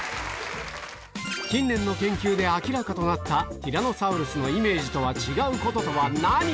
近年の研究で明らかとなったティラノサウルスのイメージとは違うこととは何？